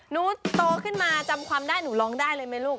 หนูโตขึ้นมาจำความได้หนูร้องได้เลยไหมลูก